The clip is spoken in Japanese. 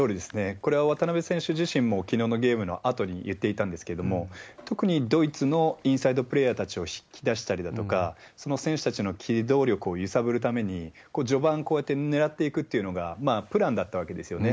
これは渡邊選手自身も、きのうのゲームのあとに言っていたんですけれども、特にドイツのインサイドプレーヤーたちを引き出したりだとか、その選手たちの機動力を揺さぶるために、序盤、こうやって狙っていくっていうのがプランだったわけですよね。